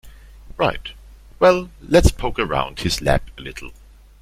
Right, well let's poke around his lab a little.